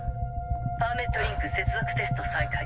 パーメットリンク接続テスト再開。